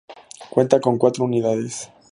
Cuenta con cuatro unidades.